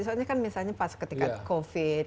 soalnya kan misalnya pas ketika covid